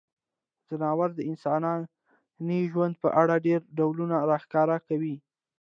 ځناور د انساني ژوند په اړه ډیری ډولونه راښکاره کوي.